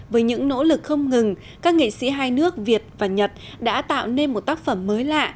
với những nỗ lực không ngừng các nghệ sĩ hai nước việt và nhật đã tạo nên một tác phẩm mới lạ